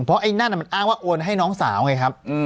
เพราะไอ้นั่นมันอ้างว่าโอนให้น้องสาวไงครับ